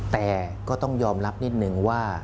แต่ก็ต้องยอมรับนิดนึงว่า